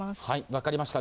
分かりました。